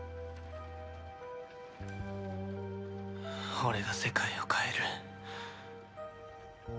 俺が世界を変える。